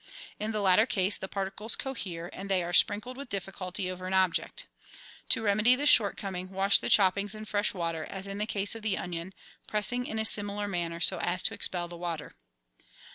In the latter case the particles cohere, and they are sprinkled with difficulty over an object. To remedy this shortcoming, wash the choppings in fresh water, as in the case of the onion, pressing in a similar manner so as to expel the water.